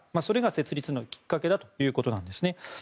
それが設立のきっかけだということなんですね。